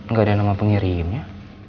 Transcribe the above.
gak ada nama pengirimnya